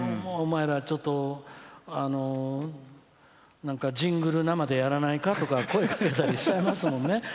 お前ら、ちょっとジングル生でやらないか？とか声かけたりしちゃいますもんね。